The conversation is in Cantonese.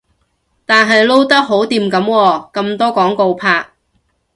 但係撈得好掂噉喎，咁多廣告拍